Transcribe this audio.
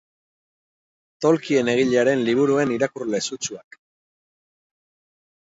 Tolkien egilearen liburuen irakurle sutsuak.